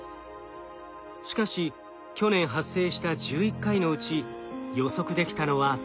しかし去年発生した１１回のうち予測できたのは３回。